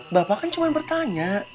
bapak kan cuma bertanya